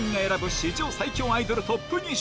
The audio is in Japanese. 史上最強アイドルＴＯＰ２０。